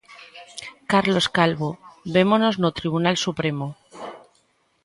Carlos Calvo, vémonos no Tribunal Supremo.